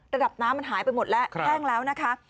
ระดับน้ำมันหายไปหมดแล้วแห้งแล้วนะคะ